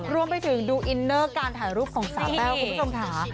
ร่วมไปถึงดูอินเนอร์การถ่ายรูปของสาแป้วครับทุกคนค่ะ